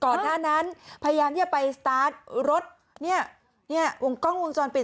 ก่อนหน้านั้นพยายามเนี่ยไปสตาร์ทรถเมืองกล้องวงจรปิด